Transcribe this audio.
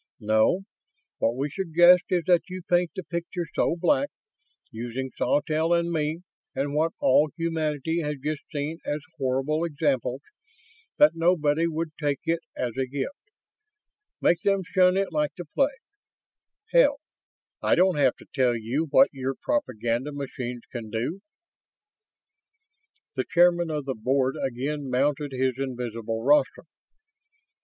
No. What we suggest is that you paint the picture so black, using Sawtelle and me and what all humanity has just seen as horrible examples, that nobody would take it as a gift. Make them shun it like the plague. Hell, I don't have to tell you what your propaganda machines can do." The Chairman of the Board again mounted his invisible rostrum.